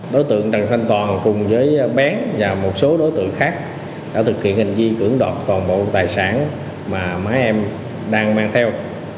đối tượng đặng thanh toàn cùng với bé và một số đối tượng khác đã thực hiện hành vi cưỡng đoạt toàn bộ tài sản mà mấy em đang mang theo